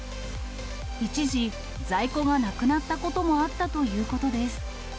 一時、在庫がなくなったこともあったということです。